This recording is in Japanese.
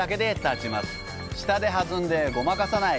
下で弾んでごまかさない。